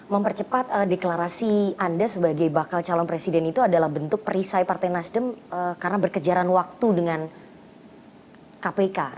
mempercepat deklarasi anda sebagai bakal calon presiden itu adalah bentuk perisai partai nasdem karena berkejaran waktu dengan kpk